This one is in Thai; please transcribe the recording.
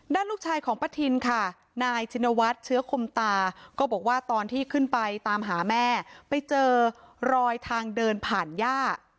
ลูกชายของป้าทินค่ะนายชินวัฒน์เชื้อคมตาก็บอกว่าตอนที่ขึ้นไปตามหาแม่ไปเจอรอยทางเดินผ่านย่า